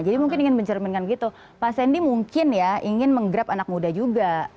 jadi mungkin ingin mencerminkan gitu pak sandy mungkin ya ingin menggrab anak muda juga